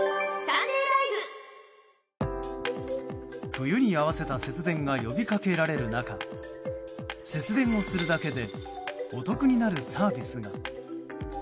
冬に合わせた節電が呼びかけられる中節電をするだけでお得になるサービスが。